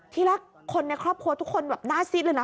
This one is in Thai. ที่แรกคนในครอบครัวทุกคนแบบหน้าซิดเลยนะ